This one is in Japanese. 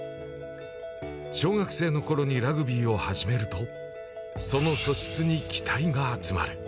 小学生の頃にラグビーを始めるとその素質に期待が集まる。